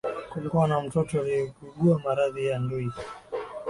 kulikuwa na mtoto aliyeugua maradhi ya ndui